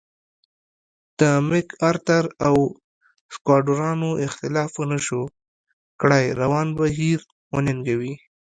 د مک ارتر او سکواټورانو اختلاف ونشو کړای روان بهیر وننګوي.